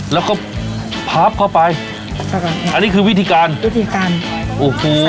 แล้วก็พับเข้าไปใช่ครับอันนี้คือวิธีการวิธีการ